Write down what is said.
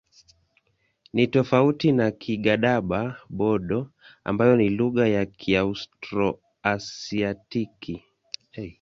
Ni tofauti na Kigadaba-Bodo ambayo ni lugha ya Kiaustro-Asiatiki.